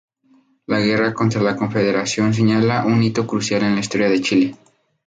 La guerra contra la Confederación señala un hito crucial en la historia de Chile.